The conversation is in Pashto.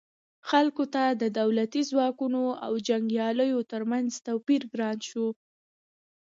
خلکو ته د دولتي ځواکونو او جنګیالیو ترمنځ توپیر ګران شو.